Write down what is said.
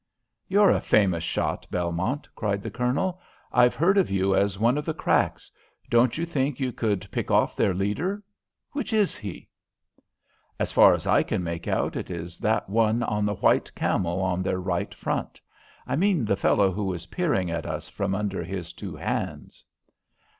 "You're a famous shot, Belmont," cried the Colonel. "I've heard of you as one of the cracks. Don't, you think you could pick off their leader?" "Which is he?" "As far as I can make out, it is that one on the white camel on their right front. I mean the fellow who is peering at us from under his two hands."